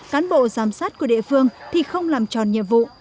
cán bộ giám sát của địa phương thì không làm tròn nhiệm vụ